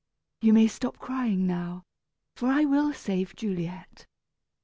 "You may stop crying now, for I will save Juliet.